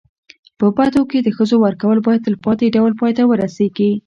په بدو کي د ښځو ورکول باید تلپاتي ډول پای ته ورسېږي.